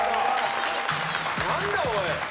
何だおい。